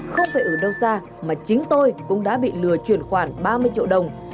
không phải ở đâu xa mà chính tôi cũng đã bị lừa chuyển khoản ba mươi triệu đồng